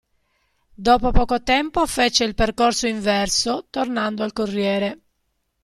Dopo poco tempo fece il percorso inverso, tornando al "Corriere".